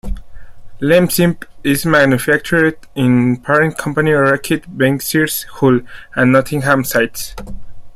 Lemsip is manufactured in parent company Reckitt Benckiser's Hull and Nottingham sites.